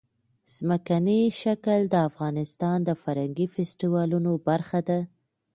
ځمکنی شکل د افغانستان د فرهنګي فستیوالونو برخه ده.